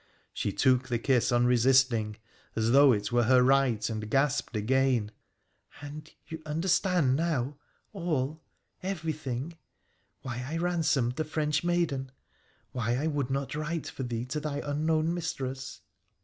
She took the kiss unresisting, as though it were her right, and gasped again —■' And you understand now all — everything ? Why I ransomed the French maiden ? Why I would not write for thee to thy unknown mistress